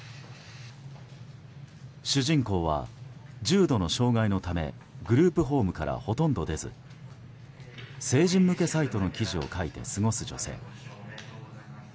主人公は、重度の障害のためグループホームからほとんど出ず成人向けサイトの記事を書いて過ごす女性。